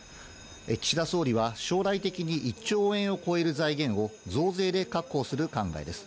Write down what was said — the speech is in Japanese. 岸田総理は将来的に、１兆円を超える財源を、増税で確保する考えです。